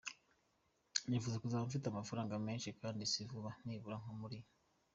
Nifuza kuzaba mfite amafaranga menshi kandi si vuba, nibura nko muri ”.